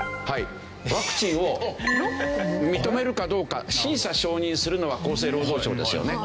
ワクチンを認めるかどうか審査・承認するのは厚生労働省ですよね。